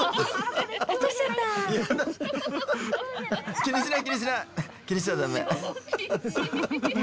気にしない気にしない。